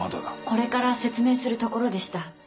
これから説明するところでした。